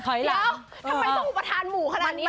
แล้วทำไมต้องอุปทานหมู่ขนาดนี้